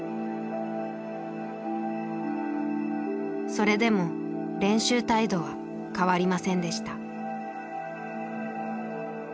それでも練習態度は変わりませんでした。